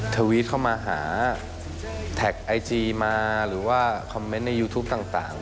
ทวิตเข้ามาหาแท็กไอจีมาหรือว่าคอมเมนต์ในยูทูปต่าง